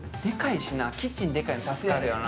キッチンでかいの助かるよな。